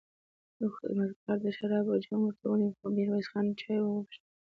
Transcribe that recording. يوه خدمتګار د شرابو جام ورته ونيو، خو ميرويس خان چای وغوښت.